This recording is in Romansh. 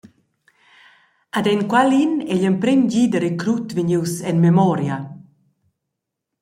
Ad enqualin ei igl emprem gi da recrut vegnius en memoria.